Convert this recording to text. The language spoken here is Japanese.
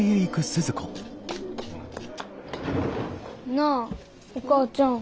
なあお母ちゃん。